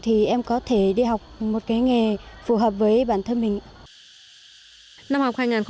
thì em có thể đi học một cái nghề phù hợp với bản thân mình